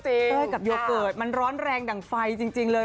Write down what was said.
เต้ยกับโยเกิร์ตมันร้อนแรงดั่งไฟจริงเลย